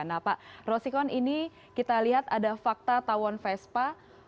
nah pak rosikon ini kita lihat ada fakta tawon vespa